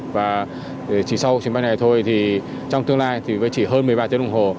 và chỉ sau chuyến bay này thôi thì trong tương lai thì mới chỉ hơn một mươi ba tiếng đồng hồ